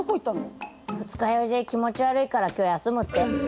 二日酔いで気持ち悪いから今日休むって。